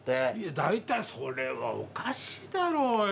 大体それはおかしいだろうよ。